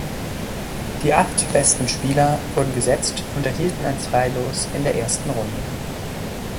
Die acht besten Spieler wurden gesetzt und erhielten ein Freilos in der ersten Runde.